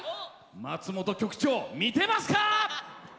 松本局長、見てますか！